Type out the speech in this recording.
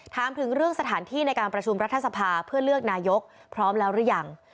ถามถึงเรื่องสถานที่ในการประชุมรัฐสภาเพื่อเลือกนายกพร้อมแล้วหรือยัง